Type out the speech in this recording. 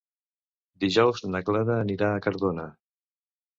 Dijous na Clara anirà a Cardona.